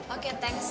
oke thanks ya